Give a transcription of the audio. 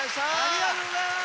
ありがとうございます！